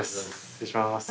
失礼します。